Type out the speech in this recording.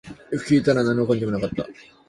よく聞いてみたら何の根拠もなかった